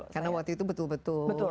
karena waktu itu betul betul tidak bisa